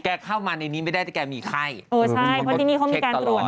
เข้ามาในนี้ไม่ได้แต่แกมีไข้เออใช่เพราะที่นี่เขามีการตรวจ